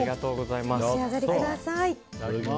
お召し上がりください。